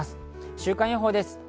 週間予報です。